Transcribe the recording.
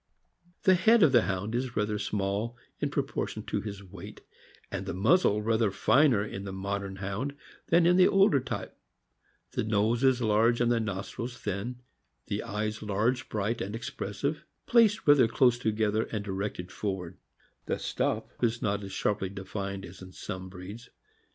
The head of the Hound is rather small in proportion to his weight, and the muzzle rather finer in the modern Hound than in the older type; the nose is large and the nostril thin; the eyes large, bright, and expressive, placed rather close together and directed forward; the stop is not as sharply defined as in some breeds.